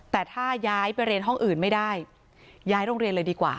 แต่ถ้าย้ายไปเรียนห้องอื่นไม่ได้ย้ายโรงเรียนเลยดีกว่า